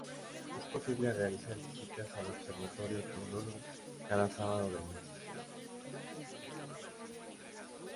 Es posible realizar visitas al observatorio Tololo cada sábado del mes.